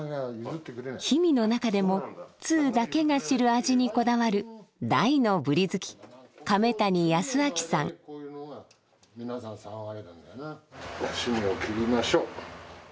氷見の中でも通だけが知る味にこだわる大のブリ好き刺身を切りましょ。